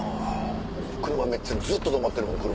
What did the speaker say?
車めっちゃずっと止まってるもん車。